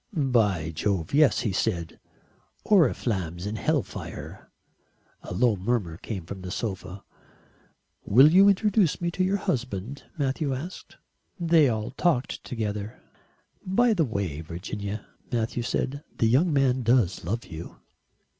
"By Jove, yes," he said, "oriflammes and hell fire." A low murmur came from the sofa. "Will you introduce me to your husband?" Matthew asked. They all talked together. "By the way, Virginia," Matthew said, "the young man does love you."